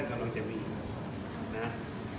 ท่านกำลังจะมีนะครับ